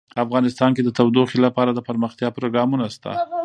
افغانستان کې د تودوخه لپاره دپرمختیا پروګرامونه شته.